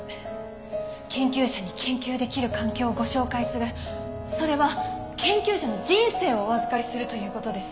研究者に研究できる環境をご紹介するそれは研究者の人生をお預かりするという事です。